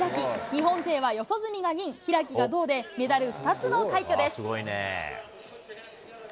日本勢は四十住が２位、開が銅で、メダル２つの快挙です。